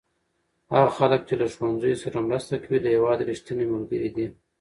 هغه خلک چې له ښوونځیو سره مرسته کوي د هېواد رښتیني ملګري دي.